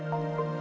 kita pergi dulu